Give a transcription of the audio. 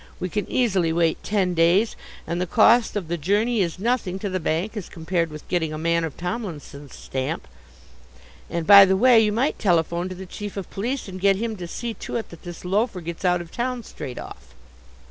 We can easily wait ten days, and the cost of the journey is nothing to the bank as compared with getting a man of Tomlinson's stamp. And, by the way, you might telephone to the Chief of Police and get him to see to it that this loafer gets out of town straight off."